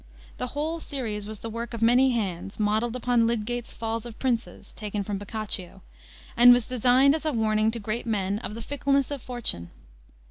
The whole series was the work of many hands, modeled upon Lydgate's Falls of Princes (taken from Boccaccio), and was designed as a warning to great men of the fickleness of fortune.